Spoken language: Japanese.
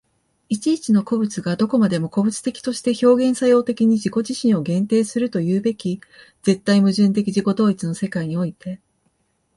一々の個物がどこまでも個物的として表現作用的に自己自身を限定するというべき絶対矛盾的自己同一の世界において、